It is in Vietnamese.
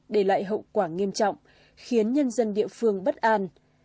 để lại hậu quả nghiêm trọng khiến nhân dân địa phương bất an